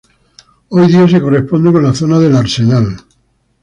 Hoy día se corresponde con la zona del Arsenal.